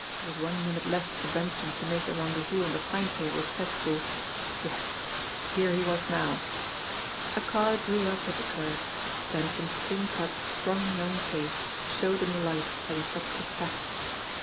There was one minute left for Benson to make the rendez vous on the timetable set for Yes, here he was now ! A car drew up at the curb. Benson's clean cut, strong young face showed in the light as he touched his cap.